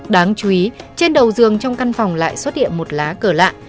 đáng chú ý trên đầu dường trong căn phòng lại xuất hiện một lá cờ lạ